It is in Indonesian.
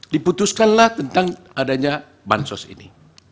diputuskanlah tentang adanya bansos ini